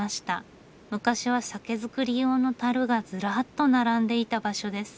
昔は酒造り用の樽がずらっと並んでいた場所です。